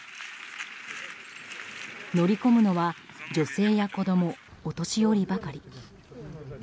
乗り込むのは女性や子供お年寄りばかり。